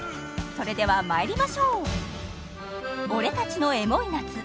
それではまいりましょう俺たちのエモい夏